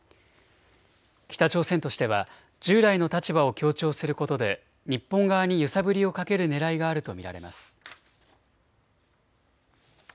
北朝鮮としては従来の立場を強調することで日本側に揺さぶりをかけるねらいがあると見られます。